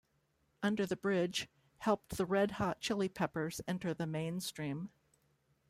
"Under the Bridge" helped the Red Hot Chili Peppers enter the mainstream.